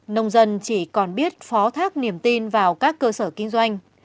nông dân chỉ còn biết phó thác niềm tin vào các cơ sở kinh doanh